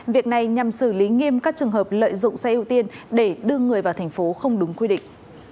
việc này nhằm xử lý nghiêm các trường hợp lợi dụng xe ưu tiên để đưa người vào thành phố không đúng quy định